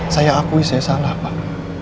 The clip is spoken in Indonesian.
saya akui saya salah pak